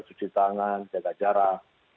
cuci tangan jaga jarak